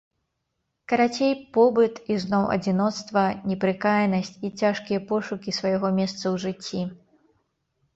Карацей, побыт і зноў адзіноцтва, непрыкаянасць і цяжкія пошукі свайго месца ў жыцці.